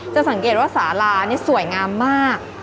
สังเกตว่าสารานี่สวยงามมาก